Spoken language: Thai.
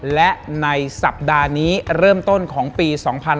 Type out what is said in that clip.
และในสัปดาห์นี้เริ่มต้นของปี๒๕๕๙